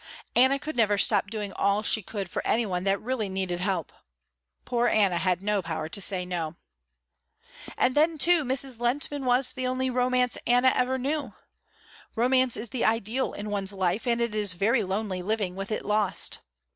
Anna could never stop doing all she could for any one that really needed help. Poor Anna had no power to say no. And then, too, Mrs. Lehntman was the only romance Anna ever knew. Romance is the ideal in one's life and it is very lonely living with it lost.